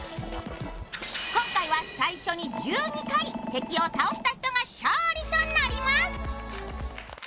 今回は、最初に１２回敵を倒した人が勝利となります。